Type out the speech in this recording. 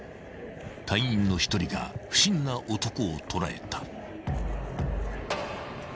［隊員の一人が不審な男を捉えた］